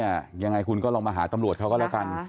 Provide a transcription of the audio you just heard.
ยังไงคุณก็ลองมาหาตำรวจเขาก็แล้วกัน